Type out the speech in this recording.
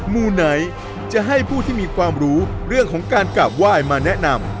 หมู่ไหนจะให้ผู้ที่มีความรู้เรื่องของการกราบไหว้มาแนะนำ